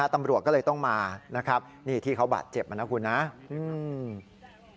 ตำรวจก็เลยต้องมานะครับนี่ที่เขาบาดเจ็บนะครับ